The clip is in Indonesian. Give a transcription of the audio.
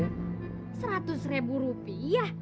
seratus ribu rupiah